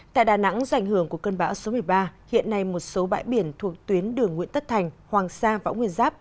tại đà nẵng do ảnh hưởng của cơn bão số một mươi ba hiện nay một số bãi biển thuộc tuyến đường nguyễn tất thành hoàng sa võ nguyên giáp